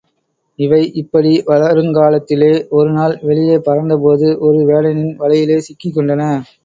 அவை இப்படி வளருங்காலத்திலே, ஒருநாள் வெளியே பறந்தபோது ஒரு வேடனின் வலையிலே சிக்கிக் கொண்டன.